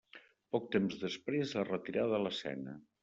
Poc temps després es retirà de l'escena.